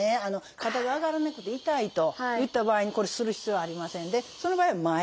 肩が上がらなくて痛いといった場合にこれする必要はありませんでその場合は前。